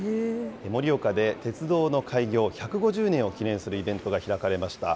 盛岡で、鉄道の開業１５０年を記念するイベントが開かれました。